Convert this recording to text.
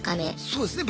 そうですね。